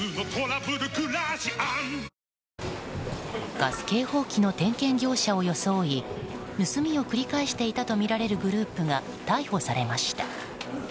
⁉ガス警報器の点検業者を装い盗みを繰り返していたとみられるグループが逮捕されました。